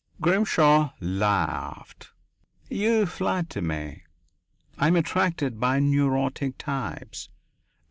Grimshaw laughed. "You flatter me. I am attracted by neurotic types.